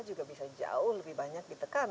juga bisa jauh lebih banyak ditekan